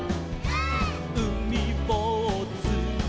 「うみぼうず」「」